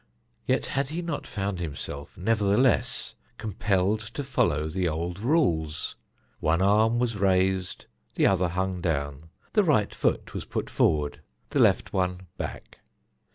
Yet had he not found himself, nevertheless, compelled to follow the old rules? One arm was raised, the other hung down; the right foot was put forward, the left one back.